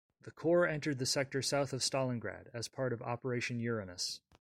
The corps entered the sector south of Stalingrad as part of Operation Uranus.